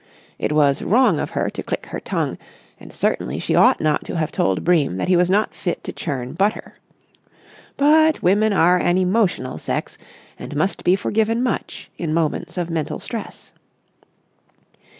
It was wrong of her to click her tongue, and certainly she ought not to have told Bream that he was not fit to churn butter. But women are an emotional sex and must be forgiven much in moments of mental stress.